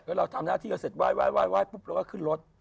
แล้วเราทำหน้าที่กันเสร็จไหว้ปุ๊บเราก็ขึ้นรถ